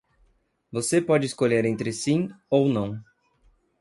Você pode escolher entre sim ou não.